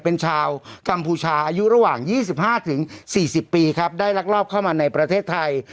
เป็นชาวกัมพูชาอายุระหว่างยี่สิบห้าถึงสี่สิบปีครับได้ลักลอบเข้ามาในประเทศไทย